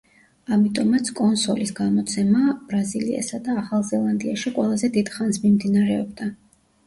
ამიტომაც კონსოლის გამოცემა ბრაზილიასა და ახალ ზელანდიაში ყველაზე დიდ ხანს მიმდინარეობდა.